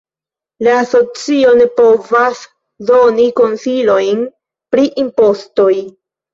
La asocio ne povas doni konsilojn pri impostoj.